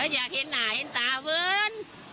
อยากเห็นหนาเห็นตาเพื่อน